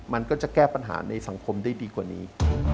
มันก็จะแก้ปัญหาในสังคมได้ดีกว่านี้